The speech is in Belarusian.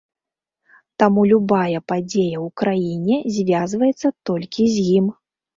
Таму любая падзея ў краіне звязваецца толькі з ім.